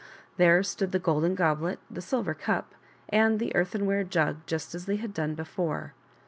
There stood the golden goblet, the silver cup, and the earthenware jug just as they had done before.